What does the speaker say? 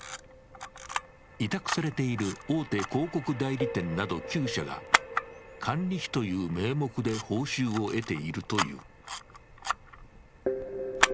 委託されている大手広告代理店など９社が管理費という名目で報酬を得ているという。